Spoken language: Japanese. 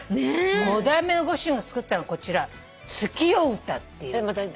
５代目のご主人が作ったのはこちら月夜唄っていう。